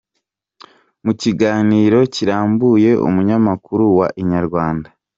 Mu kiganiro kirambuye umunyamakuru wa Inyarwanda.